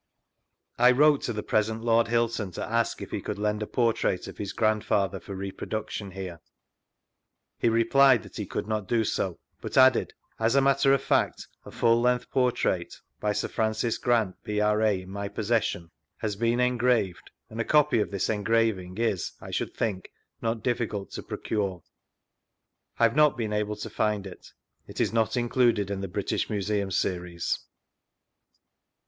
I wrote to the present Lord Hylton to ask if he could lend a portrait of his Grandfather for repro duction here. He replied that he could not do so, but added :" As a matter of fact, a full length portrait (by Sir Francis Grant, P.R.A., in my )K>ssession) has been engraved, and a copy of this engraving is, I should think, not difficult to procure." I have not been able to find it. It is not included in the British Museum Series.